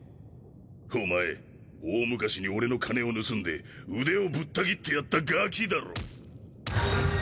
お前大昔に俺の金を盗んで腕をぶった斬ってやったガキだろ。